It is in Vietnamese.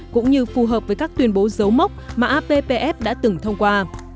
cũng như phù hợp với các tuyên bố dấu mốc mà appf đã từng thông qua